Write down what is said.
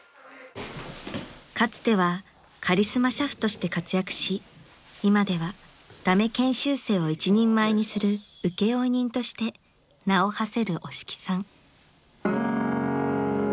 ［かつてはカリスマ俥夫として活躍し今では駄目研修生を一人前にする請負人として名をはせる押木さん］